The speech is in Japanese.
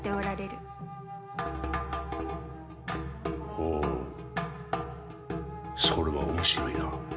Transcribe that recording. ほうそれは面白いな。